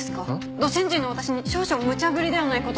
ど新人の私に少々むちゃぶりではないかと。